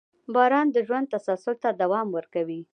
• باران د ژوند تسلسل ته دوام ورکوي.